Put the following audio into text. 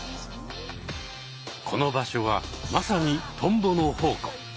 この場所はまさにトンボの宝庫。